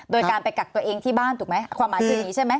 โดยการไปกักกตัวเองที่บ้านถูกไหมความหมายจริงอ่ะใช่ไหม